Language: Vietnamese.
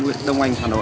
nguyện đông anh thà nội